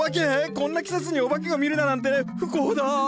こんな季節にお化けを見るだなんて不幸だ！